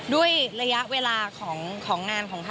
ด้วยระยะเวลาของงานของท่าน